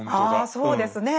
そうですねえ。